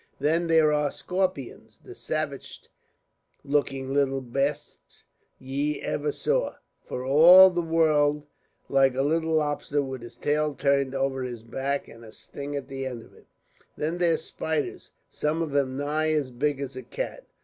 Then there are scorpions, the savagest looking little bastes ye ever saw, for all the world like a little lobster with his tail turned over his back, and a sting at the end of it. Then there's spiders, some of 'em nigh as big as a cat."